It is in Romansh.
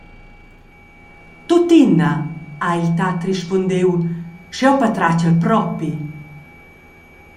«Tuttina», ha il tat rispundiu, «sch’jeu patratgel propi.